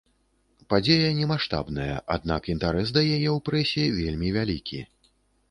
Падзея не маштабная, аднак інтарэс да яе ў прэсе вельмі вялікі.